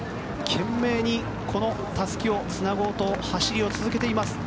懸命にこのたすきをつなごうと走りを続けています。